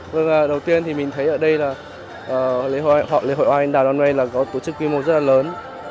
vâng đầu tiên thì mình thấy ở đây là lễ hội hoa anh đào đoàn nguyên là có tổ chức quy mô rất là lớn